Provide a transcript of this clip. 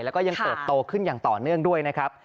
แล้วก็ยังเติบโตขึ้นอย่างต่อเนื่องด้วยนะครับ